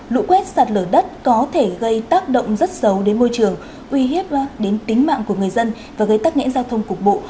lũ quét sạt lở đất có thể gây tác động rất xấu đến môi trường uy hiếp đến tính mạng của người dân và gây tắc nghẽn giao thông cục bộ